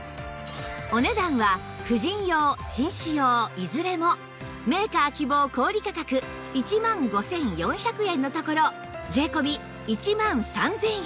お値段は婦人用紳士用いずれもメーカー希望小売価格１万５４００円のところ税込１万３０００円